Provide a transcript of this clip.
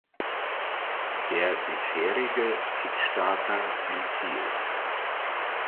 Der bisherige Kickstarter entfiel.